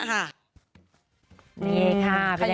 นี่ค่ะเป็นยังไงได้บุญ